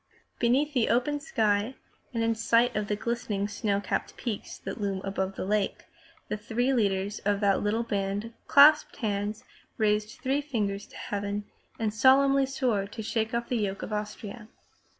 Beneath the open sky and in sight of the glistening snow capped peaks that loom up about the lake, the three leaders of that little band clasped hands, raised three fingers to heaven, and solemnly swore to shake off the yoke of Austria.